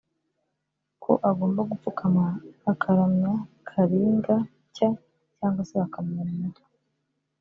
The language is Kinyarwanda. ko agomba gupfukama akaramya kalinga nshya cyangwa se bakamumena umutwe